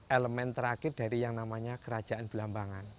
elemen terakhir dari yang namanya kerajaan belambangan